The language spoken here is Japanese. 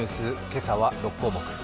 今朝は６項目。